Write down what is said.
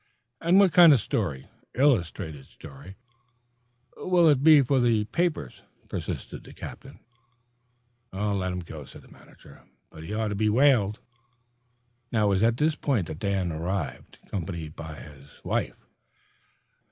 "And what kind of a story illustrated story will it be for the papers?" persisted the captain. "Let him go," said the manager; "but he ought to be whaled." It was at this point that Dan arrived, accompanied by his wife.